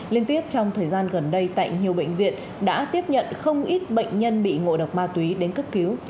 liên tiếp trong thời gian gần đây tại nhiều bệnh viện đã tiếp nhận không ít bệnh nhân bị ngộ độc ma túy đến cấp cứu